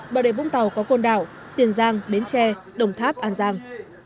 bảo đệ vũng tàu có côn đảo tiền giang bến tre đồng tháp an giang